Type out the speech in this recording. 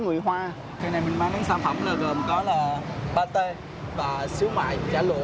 cái này mình bán những sản phẩm là gồm có là pate xíu mại chả lụa